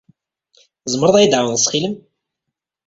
Tzemreḍ ad iyi-tɛawneḍ, ttxil-m?